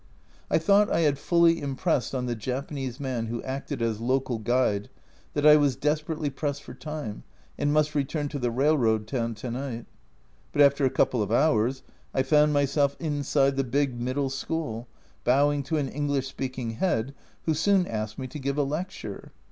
I thought I had fully impressed on the Japanese man who acted as local guide that I was desperately pressed for time and must return to the railroad town to night but after a couple of hours I found myself inside the big " middle school," bowing to an English speaking head, who soon asked me to give a lecture